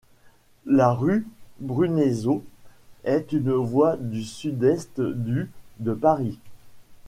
La rue Bruneseau est une voie du sud-est du de Paris.